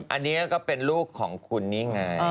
อันนี้ก็เป็นลูกของคุณนี่ไง